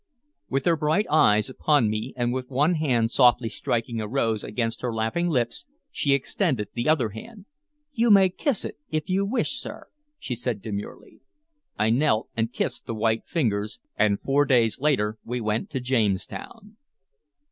With her bright eyes upon me, and with one hand softly striking a rose against her laughing lips, she extended the other hand. "You may kiss it, if you wish, sir," she said demurely. I knelt and kissed the white fingers, and four days later we went to Jamestown.